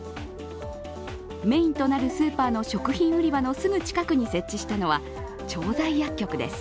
メーンとなるスーパーの食品売り場のすぐ近くに設置したのは調剤薬局です。